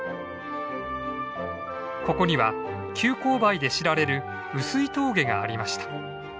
ここには急勾配で知られる碓氷峠がありました。